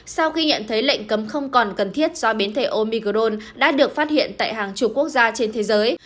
sau khi nhận thấy lệnh cấm không còn cần thiết do biến thể omicrone đã được phát hiện tại hàng chục quốc gia trên thế giới